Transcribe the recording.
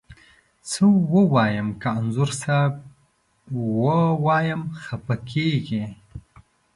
څه ووایم، که انځور صاحب ووایم خپه کږې.